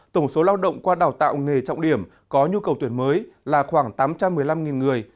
tổng số lao động qua đào tạo nghề trọng điểm có nhu cầu tuyển mới là khoảng tám trăm một mươi năm người